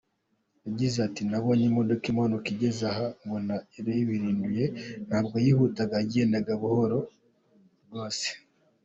Yagize ati “Nabonye imodoka imanuka igeze aha mbona iribirinduye, ntabwo yihutaga yagendaga gahoro rwose.